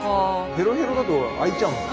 ヘロヘロだと開いちゃうんだ。